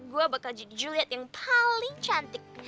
gue bakal jadi juliet yang paling cantik